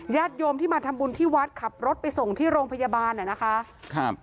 ญาติโยมที่มาทำบุญที่วัดขับรถไปส่งที่โรงพยาบาลอ่ะนะคะครับ